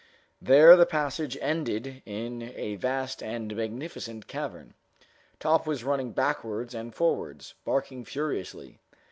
There the passage ended in a vast and magnificent cavern. Top was running backwards and forwards, barking furiously.